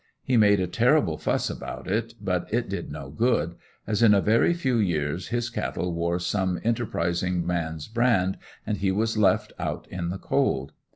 He made a terrible fuss about it, but it did no good, as in a very few years his cattle wore some enterprising man's brand and he was left out in the cold.